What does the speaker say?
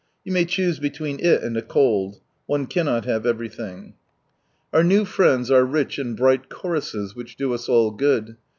You may choose between it and a cold. One cannot have everything ! Our new friends are rich in bright choruses, which do us all good.